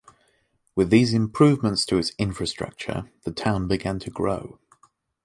With these improvements to its infrastructure, the town began to grow.